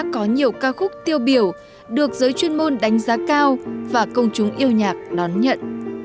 có nhiều ca khúc tiêu biểu được giới chuyên môn đánh giá cao và công chúng yêu nhạc đón nhận